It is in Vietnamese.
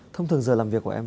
thông thường giờ làm việc của em